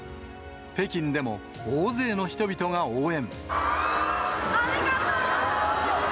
北京でも大勢の人々が応援。